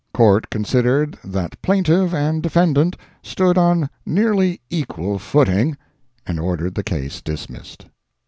Court considered that plaintiff and defendant stood on nearly equal footing, and ordered the case dismissed.